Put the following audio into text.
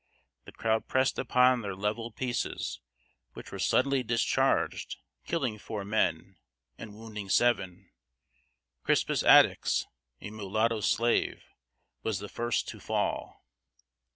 The crowd pressed upon their levelled pieces, which were suddenly discharged, killing four men and wounding seven. Crispus Attucks, a mulatto slave, was the first to fall.